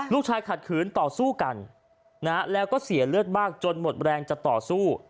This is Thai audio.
ขัดขืนต่อสู้กันแล้วก็เสียเลือดมากจนหมดแรงจะต่อสู้